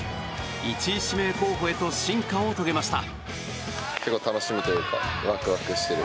１位指名候補へと進化を遂げました。